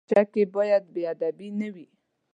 کتابچه کې باید بېادبي نه وي